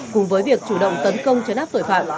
cùng với việc chủ động tấn công chấn áp tội phạm